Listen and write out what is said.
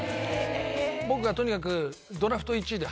僕がとにかく。